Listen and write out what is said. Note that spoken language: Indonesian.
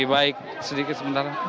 baik sedikit sebentar